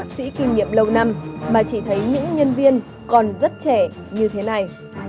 bác sĩ kinh nghiệm lâu năm mà chỉ thấy những nhân viên còn rất trẻ như thế này